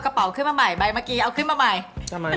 กระเป๋าขึ้นมาใหม่แม้เมื่อกี้ขึ้นมาใหม่